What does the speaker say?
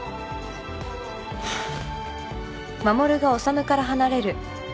ハァ。